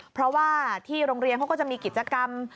เพราะว่าที่โรงเรียนเขาก็จะมีกิจกรรม